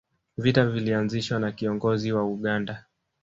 vita vilianzishwa na kiongozin wa uganda